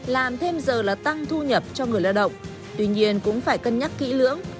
làm thêm giờ là tăng thu nhập cho người lao động tuy nhiên cũng phải cân nhắc kỹ lưỡng